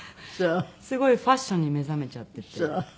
すごいファッションに目覚めちゃっててはい。